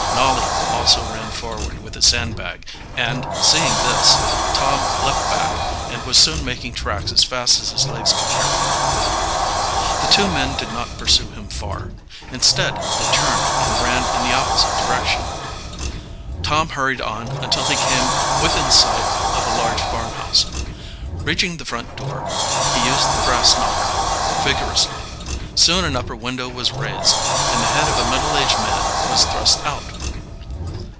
Nolly also ran forward with his sand bag; and seeing this, Tom leaped back, and was soon making tracks as fast as his legs could carry him. The two men did not pursue him far. Instead, they turned and ran in the opposite direction. Tom hurried on until he came within sight of a large farmhouse. Reaching the front door, he used the brass knocker vigorously. Soon an upper window was raised, and the head of a middle aged man was thrust out.